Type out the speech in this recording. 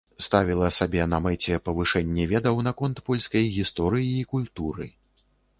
Ставіла сабе на мэце павышэнне ведаў наконт польскай гісторыі і культуры.